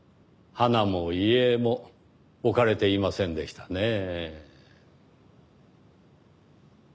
花も遺影も置かれていませんでしたねぇ。